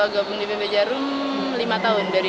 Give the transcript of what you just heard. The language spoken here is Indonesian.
gabung di pb jarum beberapa tahun mbak